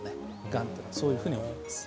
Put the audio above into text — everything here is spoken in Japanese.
がんっていうのはそういうふうに思います